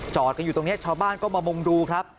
กันอยู่ตรงนี้ชาวบ้านก็มามุงดูครับ